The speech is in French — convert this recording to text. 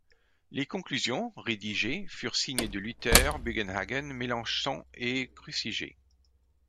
Les conclusions, rédigées, furent signées de Luther, Bugenhagen, Melanchthon et Cruciger.